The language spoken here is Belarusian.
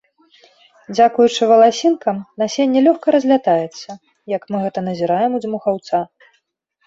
Дзякуючы валасінкам насенне лёгка разлятаецца, як мы гэта назіраем у дзьмухаўца.